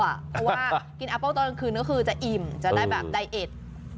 เพราะว่ากินแอปเปิ้ลตอนกลางคืนก็คือจะอิ่มจะได้แบบไดเอ็ด